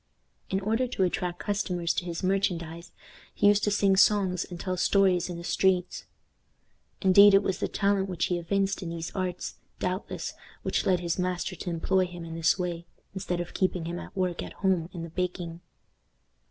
In order to attract customers to his merchandise, he used to sing songs and tell stories in the streets. Indeed, it was the talent which he evinced in these arts, doubtless, which led his master to employ him in this way, instead of keeping him at work at home in the baking.